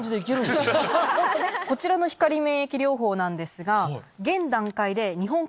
こちらの光免疫療法なんですが。